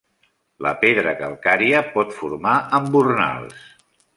La pedra calcària pot formar embornals.